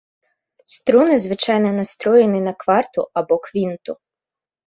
Струны звычайна настроены на кварту або квінту.